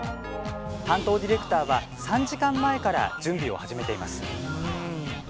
担当ディレクターは３時間前から準備を始めています。